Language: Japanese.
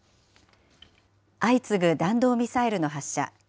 相次ぐ弾道ミサイルの発射。